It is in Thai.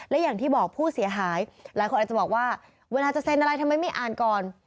และอย่างที่บอกผู้เสียหายหลายคนอาจจะบอกว่าเวลาจะเซ็นอะไรทำไมไม่อ่านก่อน